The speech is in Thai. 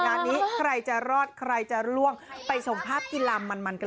งานนี้ใครจะรอดใครจะล่วงไปชมภาพกีฬามันกัน